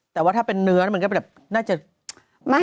แต่ว่าถ้าเป็นเนื้อมันก็แบบน่าจะมาก